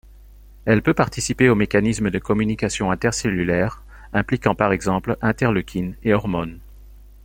Elle peut participer aux mécanismes de communications inter-cellulaires, impliquant par exemple interleukines et hormones.